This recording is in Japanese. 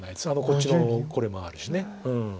こっちのこれもあるし。